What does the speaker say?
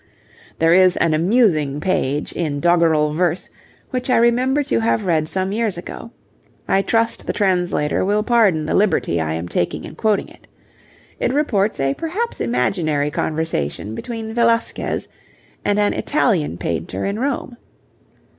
There is an amusing page, in doggerel verse, which I remember to have read some years ago. I trust the translator will pardon the liberty I am taking in quoting it. It reports a perhaps imaginary conversation between Velasquez and an Italian painter in Rome.